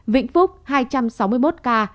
vĩnh phúc hai trăm sáu mươi một ca